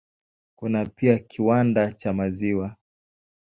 Kuna pia kiwanda cha maziwa.